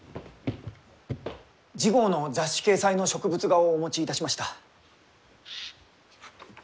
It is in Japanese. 次号の雑誌掲載の植物画をお持ちいたしました。